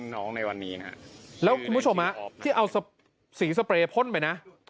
ในวันนี้นะแล้วคุณผู้ชมที่เอาสีสเปรย์พ่นไปนะ